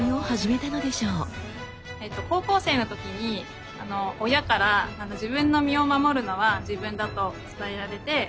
高校生の時に親から自分の身を守るのは自分だと伝えられて。